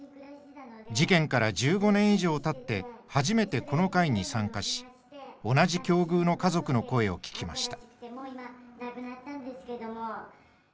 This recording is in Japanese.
事件から１５年以上たって初めてこの会に参加し同じ境遇の家族の声を聞きました。